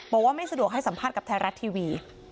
บอกว่าไม่สะดวกให้สัมภาษณ์กับไทยรัฐทีวี